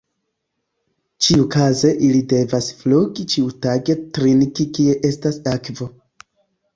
Ĉiukaze ili devas flugi ĉiutage trinki kie estas akvo.